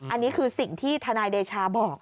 อันนี้คือสิ่งที่ทนายเดชาบอก